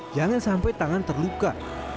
jangan sampai tangan terluka